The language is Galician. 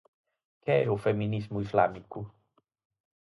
Que é o feminismo islámico?